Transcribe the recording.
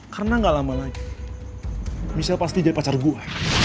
karena gak lama lagi michelle pasti jadi pacar gue